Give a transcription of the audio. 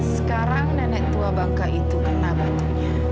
sekarang nenek tua bangka itu kena batunya